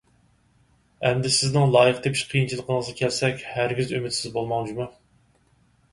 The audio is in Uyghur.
ئەمدى سىزنىڭ لايىق تېپىش قىيىنچىلىقىڭىزغا كەلسەك، ھەرگىز ئۈمىدسىز بولماڭ جۇمۇ!